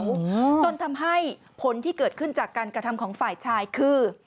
อืมจนทำให้ผลที่เกิดขึ้นจากการกระทำของฝ่ายชายคือ